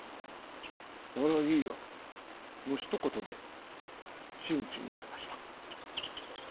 俺はいいよ」のひと言で真打ちになれました。